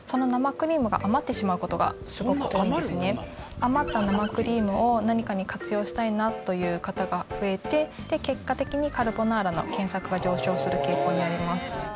余った生クリームを何かに活用したいなという方が増えて結果的にカルボナーラの検索が上昇する傾向にあります。